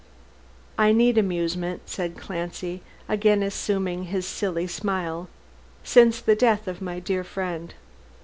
"I need amusement," said Clancy, again assuming his silly smile, "since the death of my dear friend.